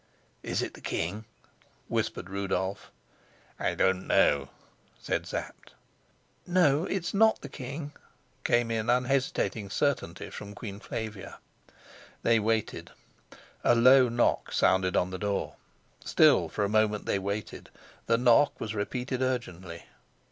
"Is it the king?" whispered Rudolf. "I don't know," said Sapt. "No, it's not the king," came in unhesitating certainty from Queen Flavia. They waited: a low knock sounded on the door. Still for a moment they waited. The knock was repeated urgently.